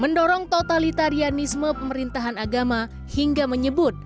mendorong totalitarianisme pemerintahan agama hingga menyebut